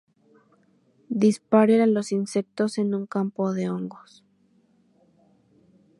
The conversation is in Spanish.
Dispare a los insectos en un campo de hongos.